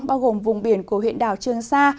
bao gồm vùng biển của huyện đảo trường sa